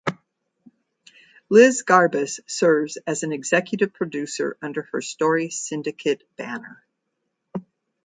Liz Garbus serves as an executive producer under her Story Syndicate banner.